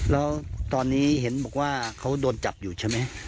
แล้วตอนนี้เห็นบอกว่าเขาโดนจับอยู่ใช่ไหม